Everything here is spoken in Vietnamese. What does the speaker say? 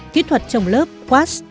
hai kỹ thuật trồng lớp wash